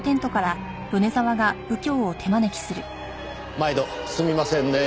毎度すみませんねぇ。